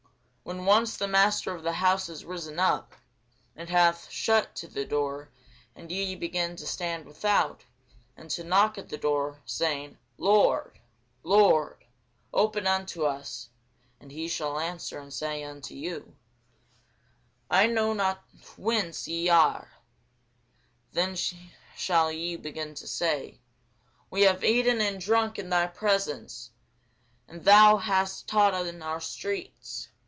When once the master of the house is risen up, and hath shut to the door, and ye begin to stand without, and to knock at the door, saying, Lord, Lord, open unto us; and he shall answer and say unto you, I know you not whence ye are: then shall ye begin to say, We have eaten and drunk in thy presence, and thou hast taught in our streets.